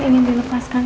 pasin ingin dilepaskan